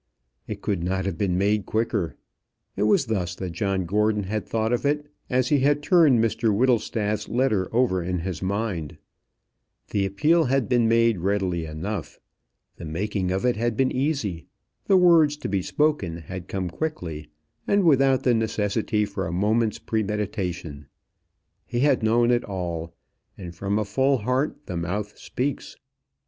It could not have been made quicker. It was thus that John Gordon had thought of it as he had turned Mr Whittlestaff's letter over in his mind. The appeal had been made readily enough. The making of it had been easy; the words to be spoken had come quickly, and without the necessity for a moment's premeditation. He had known it all, and from a full heart the mouth speaks.